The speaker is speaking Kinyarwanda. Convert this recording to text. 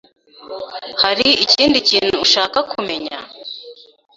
Hari ikindi kintu ushaka kumenya?